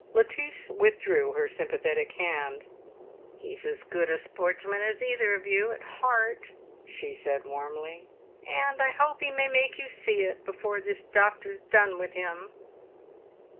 Lettice withdrew her sympathetic hand. "He's as good a sportsman as either of you, at heart," she said warmly. "And I hope he may make you see it before this doctor's done with him!"